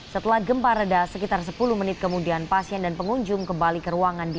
setelah gempa reda sekitar sepuluh menit kemudian pasien dan pengunjung kembali ke ruangan di